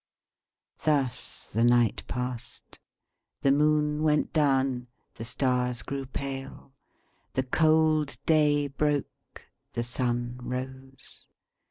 Thus the night passed. The moon went down; the stars grew pale; the cold day broke; the sun rose.